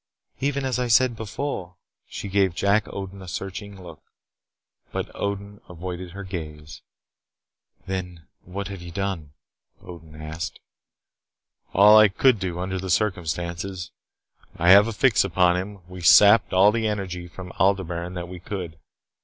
"Even as I said before." She gave Jack Odin a searching look, but Odin avoided her gaze "Then, what have you done?" Odin asked. "All that I could do under the circumstances. I have a fix upon him. We sapped all the energy from Aldebaran that we could.